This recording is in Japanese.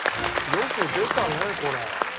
よく出たねこれ。